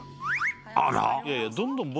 ［あら？］